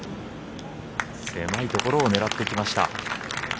狭いところを狙ってきました。